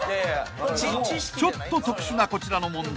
［ちょっと特殊なこちらの問題］